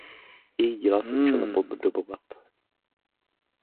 Jejich díla se učil napodobovat.